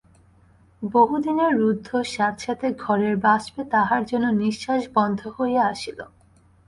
বহুদিনের রুদ্ধ স্যাঁৎসেঁতে ঘরের বাষ্পে তাহার যেন নিশ্বাস বন্ধ হইয়া আসিল।